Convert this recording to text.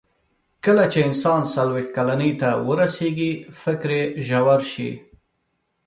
کله چې انسان څلوېښت کلنۍ ته ورسیږي، فکر یې ژور شي.